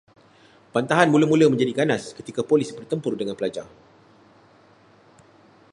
Bantahan mula-mula menjadi ganas ketika polis bertempur dengan pelajar